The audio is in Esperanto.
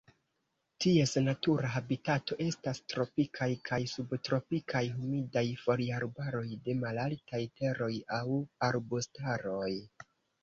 Ties natura habitato estas tropikaj kaj subtropikaj humidaj foliarbaroj de malaltaj teroj aŭ arbustaroj.